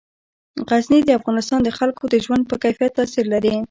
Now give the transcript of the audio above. غزني د افغانستان د خلکو د ژوند په کیفیت تاثیر لري.